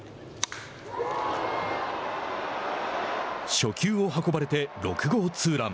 初球を運ばれて、６号ツーラン。